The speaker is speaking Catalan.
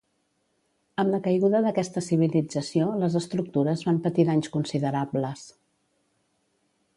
Amb la caiguda d'aquesta civilització les estructures van patir danys considerables.